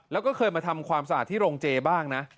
แล้วก็เคยมาทำความสะอาดที่โรงเจบ้างนะ